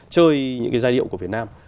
chơi những cái giai điệu của việt nam